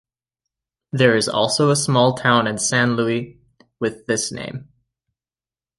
There is also a small town in San Luis with this name.